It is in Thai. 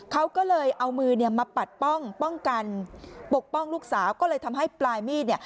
เขาก็เลยเอามือมาปัดป้องกันปกป้องลูกสาวก็เลยทำให้ปลายมีด